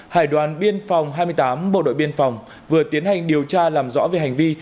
hải đoàn biên phòng hai mươi tám bộ đội biên phòng vừa tiến hành điều tra làm rõ về hành vi